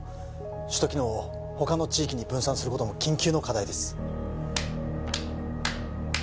首都機能を他の地域に分散することも緊急の課題です